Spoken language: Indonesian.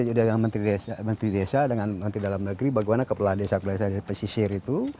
dengan menteri desa dengan menteri dalam negeri bagaimana kepala desa kepala desa pesisir itu